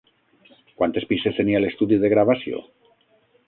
Quantes pistes tenia l'estudi de gravació?